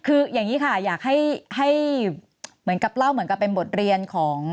คืออย่างนี้ค่ะอยากให้เหมือนกับเล่าเหมือนกับเป็นบทเรียนของ